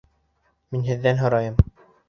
Мин һеҙҙән һорайым.